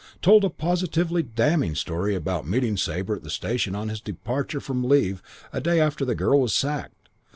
Told a positively damning story about meeting Sabre at the station on his departure from leave a day after the girl was sacked.